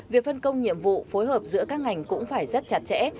việc phân công nhiệm vụ phối hợp giữa các ngành cũng phải rất chặt chẽ